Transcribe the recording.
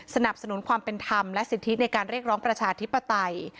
สนับสนุนความเป็นธรรมและสิทธิในการเรียกร้องประชาธิปไตย